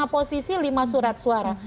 posisi lima surat suara